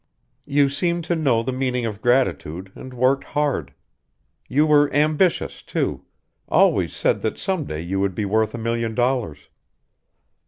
You seemed to know the meaning of gratitude and worked hard. You were ambitious, too always said that some day you would be worth a million dollars.